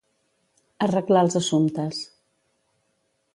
Arreglar els assumptes.